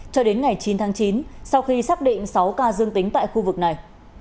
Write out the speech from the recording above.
cho đến ngày chín tháng chín sau khi xác định sáu ca dương tính tại khu vực này